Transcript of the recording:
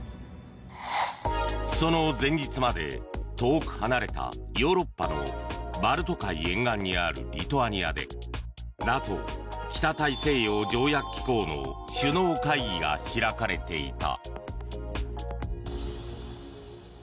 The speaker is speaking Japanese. その前日まで、遠く離れたヨーロッパのバルト海沿岸にあるリトアニアでＮＡＴＯ・北大西洋条約機構の首脳会議が開かれていた。